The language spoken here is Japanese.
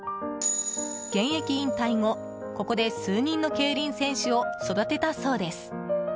現役引退後、ここで数人の競輪選手を育てたそうです。